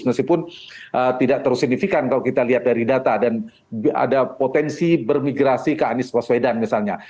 meskipun tidak terlalu signifikan kalau kita lihat dari data dan ada potensi bermigrasi ke anies baswedan misalnya